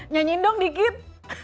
nyanyikan dong sedikit